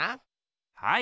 はい。